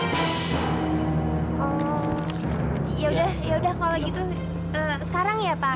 oh ya udah kalau gitu sekarang ya pak